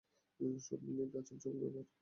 সব মিলিয়ে গা ছমছমানো ব্যাপার।